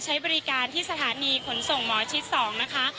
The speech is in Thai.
ใช้บริการที่สถานีขนส่งหมอชิด๒นะคะ